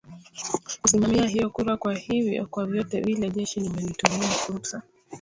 kusimamia hiyo kura kwa hivyo kwa vyote vile jeshi lime limetumia fursa